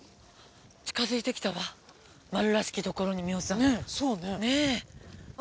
近づいてきたわ丸らしきところにミホさんそうねあ